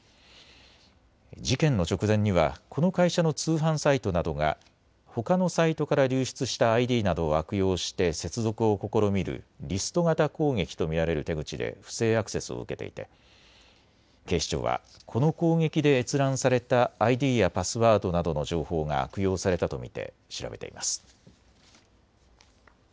事件の直前にはこの会社の通販サイトなどがほかのサイトから流出したＩＤなどを悪用して接続を試みるリスト型攻撃と見られる手口で不正アクセスを受けていて警視庁はこの攻撃で閲覧されたＩＤやパスワードなどの情報が悪用されたと見て調べています。